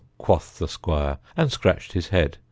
quoth the squire and scratched his head.